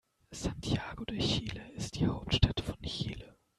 Santiago de Chile ist die Hauptstadt von Chile.